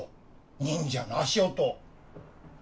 忍者の足音。